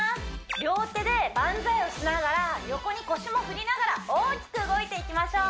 両手で万歳をしながら横に腰も振りながら大きく動いていきましょう